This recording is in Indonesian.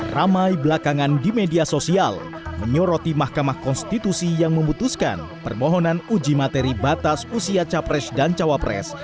ramai belakangan di media sosial menyoroti mahkamah konstitusi yang memutuskan permohonan uji materi batas usia capres dan cawapres